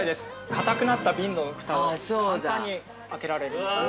固くなった瓶のふたを簡単にあけられます。